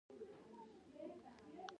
د باد په مخالف جهت کې حرکت کوي.